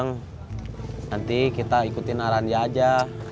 nanti kita ikutin arannya aja